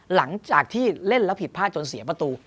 หลังจากที่เล่นแล้วผิดพลาดจนเสียประตู